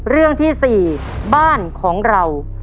เรื่องที่๔บ้านของเรา